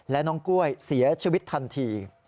และน้องกล้วยเสียชีวิตทันที